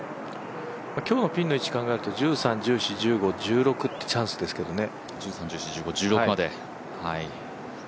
今日のピンの位置考えると１３、１４、１５、１６がチャンスですけどね。